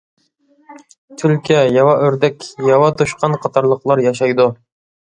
تۈلكە، ياۋا ئۆردەك، ياۋا توشقان قاتارلىقلار ياشايدۇ.